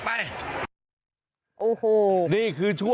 ขอบคุณครับ